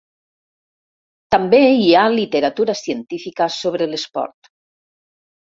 També hi ha literatura científica sobre l’esport.